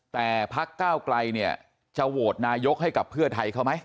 แต่พักก้าวไกลเนี่ยจะโหวตนายกให้กับเพื่อไทยเขาไหม